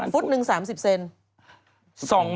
ฟุตหนึ่ง๓๐เซน